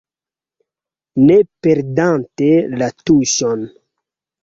Ne perdante la tuŝon.